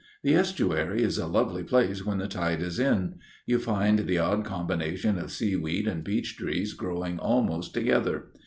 ' The estuary is a lovely place when the tide is in. You find the odd combination of seaweed and beech trees growing almost together.